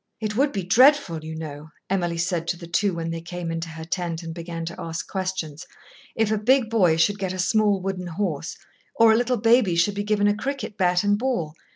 "It would be dreadful, you know," Emily said to the two when they came into her tent and began to ask questions, "if a big boy should get a small wooden horse, or a little baby should be given a cricket bat and ball.